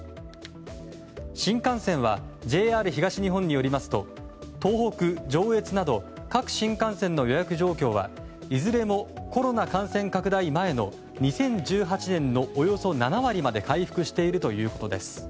新幹線はＪＲ東日本によりますと東北・上越など各新幹線の予約状況はいずれもコロナ感染拡大前の２０１８年のおよそ７割まで回復しているということです。